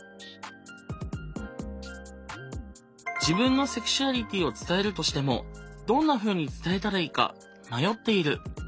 自分のセクシュアリティーを伝えるとしてもどんなふうに伝えたらいいか迷っている。